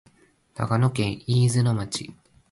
長野県飯綱町